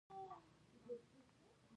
په ښارونو کې کسبګر هم له ستونزو سره مخ وو.